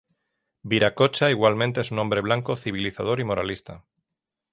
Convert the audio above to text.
Viracocha igualmente es un hombre blanco civilizador y moralista.